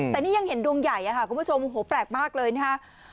แต่นี่ยังเห็นดวงใหญ่ค่ะคุณผู้ชมโอ้โหแปลกมากเลยนะฮะ